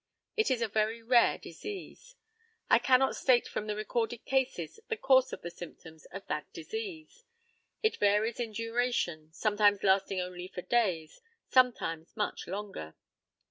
It is a very rare disease. I cannot state from the recorded cases the course of the symptoms of that disease. It varies in duration, sometimes lasting only for days, sometimes much longer.